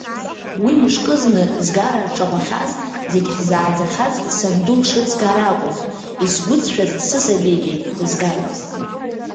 Уи мышкызны згара рҿаҟәахьаз, зегь ҳзааӡахьаз санду лшыц гара акәын, исгәыҵшәаз сысабигьы дызгараз…